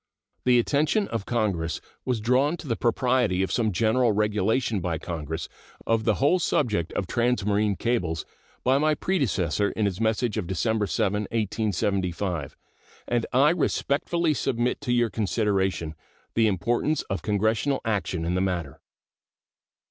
The attention of Congress was drawn to the propriety of some general regulation by Congress of the whole subject of transmarine cables by my predecessor in his message of December 7, 1875, and I respectfully submit to your consideration the importance of Congressional action in the matter.